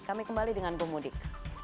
kami kembali dengan bumudik